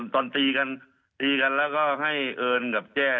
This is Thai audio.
ตอนตีกันตีกันแล้วก็ให้เอิญกับแจ้